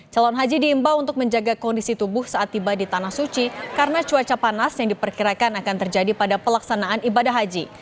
calon haji diimbau untuk menjaga kondisi tubuh saat tiba di tanah suci karena cuaca panas yang diperkirakan akan terjadi pada pelaksanaan ibadah haji